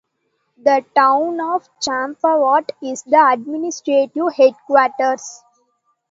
The town of Champawat is the administrative headquarters.